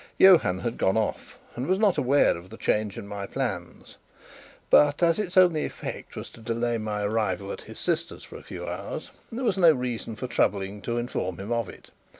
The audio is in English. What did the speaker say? Johann had gone off and was not aware of the change in my plans; but, as its only effect was to delay my arrival at his sister's for a few hours, there was no reason for troubling to inform him of it.